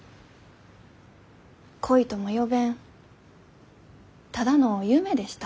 恋とも呼べんただの夢でした。